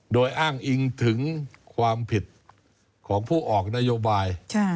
โดยอ้างอิงถึงความผิดของผู้ออกนโยบาย